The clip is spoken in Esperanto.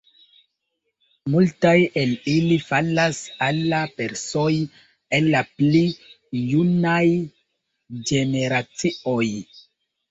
Multaj el ili falas al la persoj en la pli junaj generacioj.